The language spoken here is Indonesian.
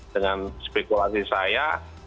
dengan spekulasi saya